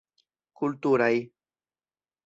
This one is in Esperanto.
Kulturaj.